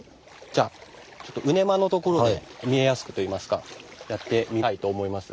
じゃあちょっと見えやすくといいますかやってみたいと思います。